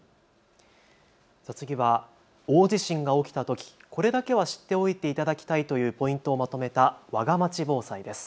次は大地震が起きたときこれだけは知っておいていただきたいというポイントをまとめたわがまち防災です。